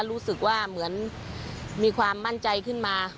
รู้สึกว่าเหมือนมีความมั่นใจขึ้นมา